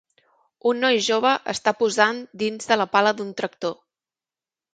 Un noi jove està posant dins de la pala d"un tractor.